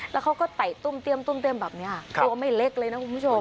แล้วเขาก็ไต่ตุ้มเตี้ยมแบบนี้ตัวไม่เล็กเลยนะคุณผู้ชม